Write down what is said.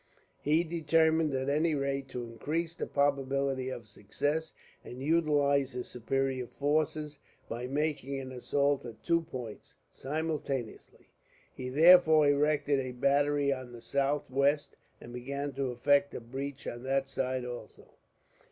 He determined, at any rate, to increase the probability of success, and utilize his superior forces, by making an assault at two points, simultaneously. He therefore erected a battery on the southwest, and began to effect a breach on that side, also.